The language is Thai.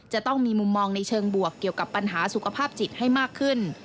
จะต้องมีมุมมองในเชิงบวกเกี่ยวกับปัญหาสุขภาพจิตให้มากขึ้น